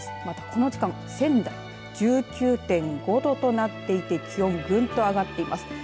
またこの時間仙台１９．５度となっていて気温ぐんと上がっています。